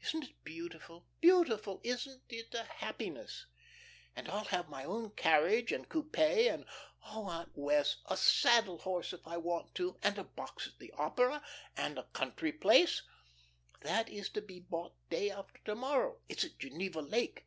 Isn't it beautiful, beautiful? Isn't it a happiness? And I'll have my own carriage and coupe, and oh, Aunt Wess', a saddle horse if I want to, and a box at the opera, and a country place that is to be bought day after to morrow. It's at Geneva Lake.